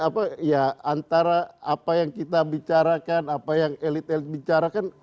apa ya antara apa yang kita bicarakan apa yang elit elit bicarakan